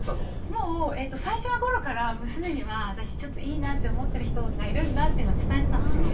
もうえっと最初の頃から娘には私いいなって思ってる人がいるんだっていうのは伝えてたんですよ。